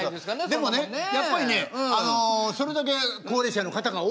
でもねやっぱりねそれだけ高齢者の方が多いわけ。